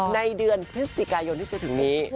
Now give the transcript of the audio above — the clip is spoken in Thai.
ในเดือนพฤศจิกายนที่จะถึงนี้